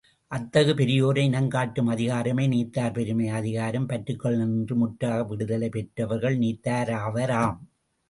அத்தகு பெரியோரை இனங்காட்டும் அதிகாரமே, நீத்தார் பெருமை அதிகாரம் பற்றுக்களினின்று முற்றாக விடுதலை பெற்றவர்கள் நீத்தார் ஆவர். ஆம்!